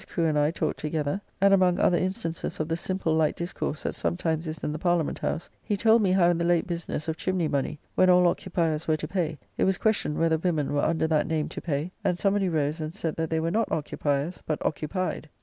Crew and I talked together, and among other instances of the simple light discourse that sometimes is in the Parliament House, he told me how in the late business of Chymny money, when all occupiers were to pay, it was questioned whether women were under that name to pay, and somebody rose and said that they were not occupiers, but occupied.